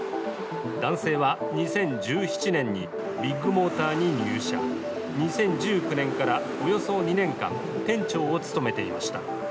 男性は２０１７年にビッグモーターに入社、２０１９年からおよそ２年間、店長を務めていました。